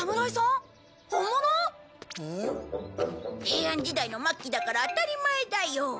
平安時代の末期だから当たり前だよ。